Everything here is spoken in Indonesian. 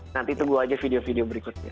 nanti tunggu aja video video berikutnya